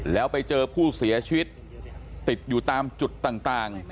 แล้วไปเจอผู้เสียชีวิตติดอยู่ตามจุดต่าง